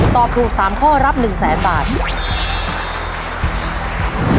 ตอบถูก๓ข้อรับ๑แสนบาท